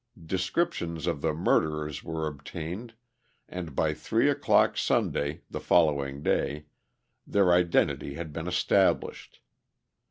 Descriptions of the murderers were obtained, and by three o'clock Sunday, the following day, their identity had been established.